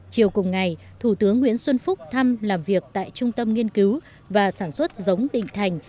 chiều cùng ngày thủ tướng nguyễn xuân phúc thăm làm việc tại trung tâm nghiên cứu và sản xuất giống định thành